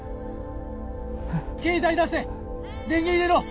携帯出せ電源入れろ